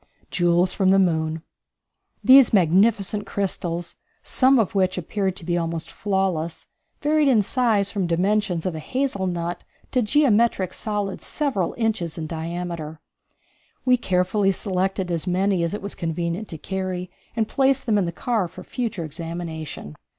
Jewels from the Moon. These magnificent crystals, some of which appeared to be almost flawless, varied in size from the dimensions of a hazelnut to geometrical solids several inches in diameter. We carefully selected as many as it was convenient to carry and placed them in the car for future examination.